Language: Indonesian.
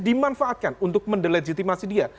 dimanfaatkan untuk mendilegitimasi dia